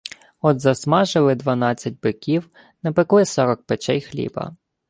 От засмажили дванадцять биків, напекли сорок печей хліба.